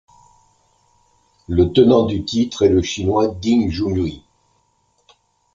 Le tenant du titre est le chinois Ding Junhui.